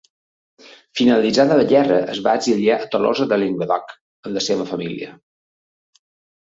Finalitzada la guerra es va exiliar a Tolosa de Llenguadoc amb la seva família.